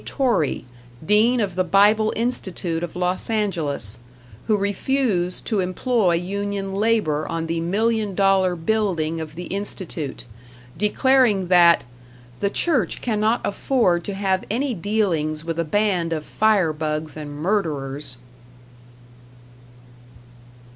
Torrey, Dean of the Bible institute of Los Angeles, who refused to employ union labor on the million dollar building of the Institute, declaring that "the Church cannot afford to have any dealings with a band of fire bugs and murderers!"